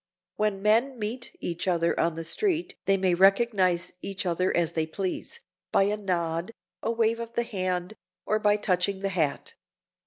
When men meet each other on the street they may recognize each other as they please,—by a nod, a wave of the hand, or by touching the hat.